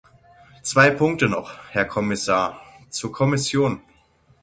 Zwei Punkte noch, Herr Kommissar, zur Kommission.